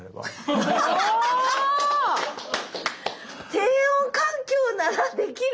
低温環境ならできる？